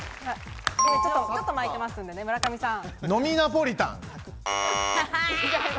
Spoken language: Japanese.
ちょっと巻いてますんでね、村上さん。